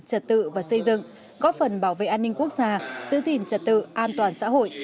trật tự và xây dựng góp phần bảo vệ an ninh quốc gia giữ gìn trật tự an toàn xã hội